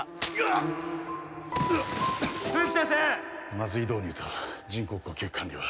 麻酔導入と人工呼吸管理は